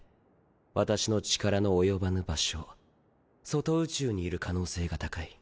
私の力の及ばぬ場所外宇宙にいる可能性が高い。